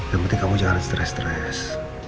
yang penting kamu jangan stres stres